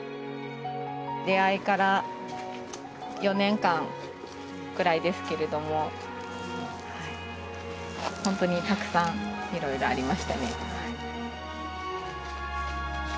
出会いから４年間くらいですけれども本当にたくさんいろいろありましたね。